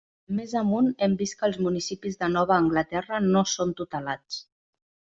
Més amunt hem vist que els municipis de Nova Anglaterra no són tutelats.